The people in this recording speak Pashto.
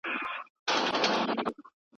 څېړونکی بايد بې پرې وي.